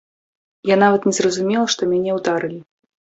Я нават не зразумела, што мяне ударылі.